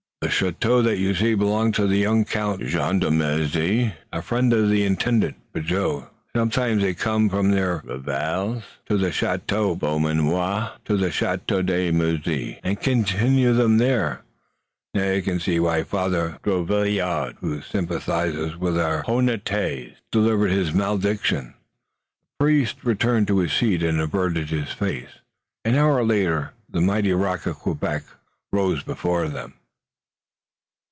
"The chateau that you see belongs to the young Count Jean de Mézy, a friend of the Intendant, Bigot. Sometimes they come from their revels at Beaumanoir to the Chateau de Mézy, and continue them there. Now you can see why Father Drouillard, who sympathizes with our honnêtes gens, delivers his malediction." The priest returned to his seat, and averted his face. An hour later the mighty rock of Quebec rose before them.